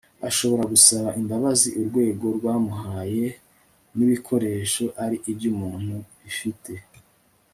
ashobora gusaba imbabazi urwego rwamuhaye n ibikoresho ari iby umuntu bifite